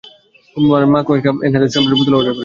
তোর মা আরেকটা ভয়েস এনহ্যান্সার স্প্রের বোতল অর্ডার করেছিল।